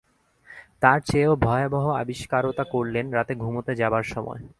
তার চেয়েও ভয়াবহ আবিষ্কারতা করলেন রাতে ঘুমোতে যাবার সময়।